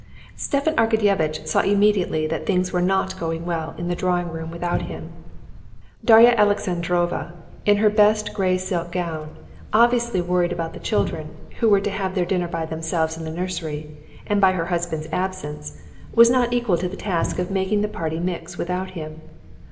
Stepan Arkadyevitch saw immediately that things were not going well in the drawing room without him. Darya Alexandrovna, in her best gray silk gown, obviously worried about the children, who were to have their dinner by themselves in the nursery, and by her husband's absence, was not equal to the task of making the party mix without him.